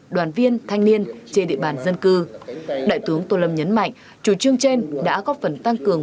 đoàn viên thanh niên trên địa bàn dân cư đại tướng tô lâm nhấn mạnh chủ trương trên đã góp phần tăng cường